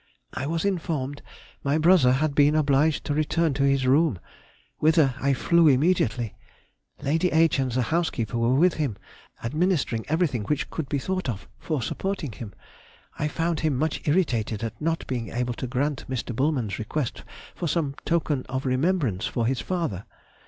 I was informed my brother had been obliged to return to his room, whither I flew immediately. Lady H. and the housekeeper were with him, administering everything which could be thought of for supporting him. I found him much irritated at not being able to grant Mr. Bulman's request for some token of remembrance for his father.